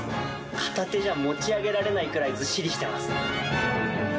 片手じゃ持ち上げられないくらいずっしりしています。